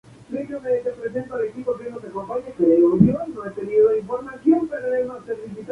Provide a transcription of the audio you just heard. Es una de las más prestigiosas referentes del feminismo latinoamericano contemporáneo.